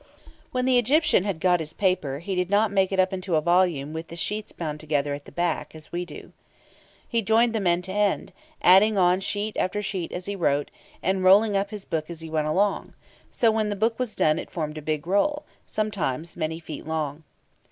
When the Egyptian had got his paper, he did not make it up into a volume with the sheets bound together at the back, as we do. He joined them end to end, adding on sheet after sheet as he wrote, and rolling up his book as he went along; so when the book was done it formed a big roll, sometimes many feet long.